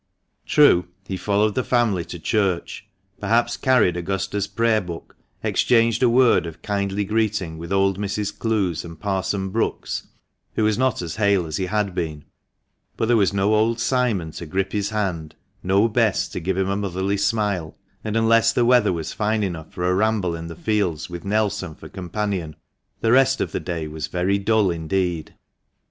True, he followed the family to church, perhaps carried Augusta's prayer book, exchanged a word of kindly greeting with old Mrs. Clowes and Parson Brookes, who was not as hale as he had been ; but there was no old Simon to grip his hand, no Bess to give him a motherly smile, and unless the weather was fine enough for a ramble in the fields with Nelson for companion, the rest of the day was very dull indeed.